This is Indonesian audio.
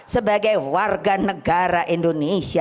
sebagai warga negara indonesia